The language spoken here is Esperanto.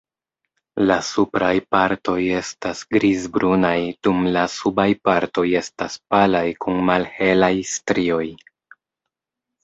La supraj partoj estas grizbrunaj dum la subaj partoj estas palaj kun malhelaj strioj.